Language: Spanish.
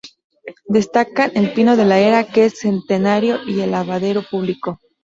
Destacan "El Pino de la Era", que es centenario, y el lavadero público.